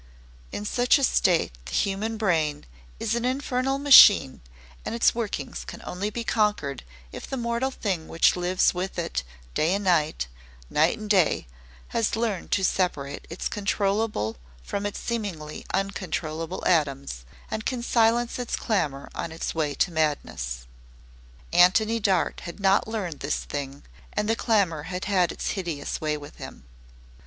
In such a state the human brain is an infernal machine and its workings can only be conquered if the mortal thing which lives with it day and night, night and day has learned to separate its controllable from its seemingly uncontrollable atoms, and can silence its clamor on its way to madness. Antony Dart had not learned this thing and the clamor had had its hideous way with him.